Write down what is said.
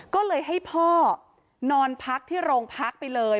ก็เลยให้พ่อนอนพักที่โรงพักไปเลย